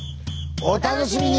お楽しみに！